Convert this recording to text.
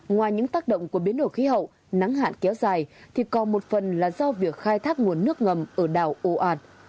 ngoài những tác động của biến đổi khí hậu nắng hạn kéo dài thì còn một phần là do việc khai thác nguồn nước ngầm ở đảo ồ ạt